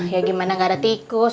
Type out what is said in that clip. ya gimana gak ada tikus